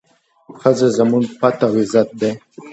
ښځه زموږ پت او عزت دی.